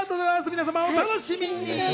皆さんお楽しみに。